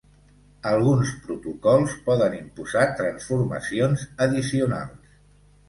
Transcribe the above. Alguns protocols poden imposar transformacions addicionals.